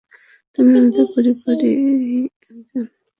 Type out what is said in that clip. তুমি আমাদের পরিবারেরই একজন।